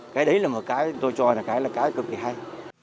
cái đấy là một cái tôi cho là cái cực kỳ hay